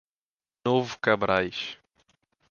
Novo Cabrais